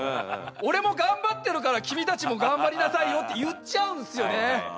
「俺も頑張ってるから君たちも頑張りなさいよ」って言っちゃうんですよね。